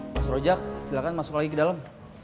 mas hojak silahkan masuk lagi ke dalam